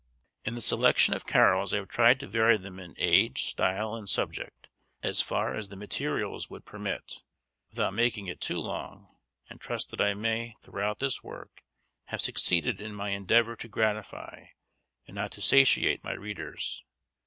In the selection of Carols, I have tried to vary them in age, style, and subject, as far as the materials would permit, without making it too long; and trust that I may, throughout this work, have succeeded in my endeavour to gratify, and not to satiate my readers.